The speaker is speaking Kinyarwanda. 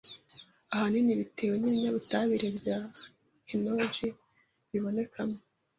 ahanini bitewe n’ibinyabutabire bya phenolic bibonekamo